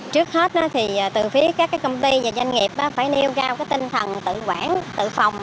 trước hết thì từ phía các công ty và doanh nghiệp phải nêu cao tinh thần tự quản tự phòng